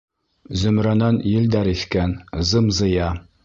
Зөмрәнән елдәр иҫкән, зым-зыя.